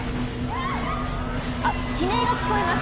あっ悲鳴が聞こえます。